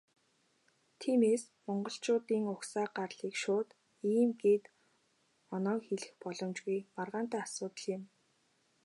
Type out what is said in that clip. Тиймээс, монголчуудын угсаа гарлыг шууд "ийм" гээд оноон хэлэх боломжгүй, маргаантай асуудал юм.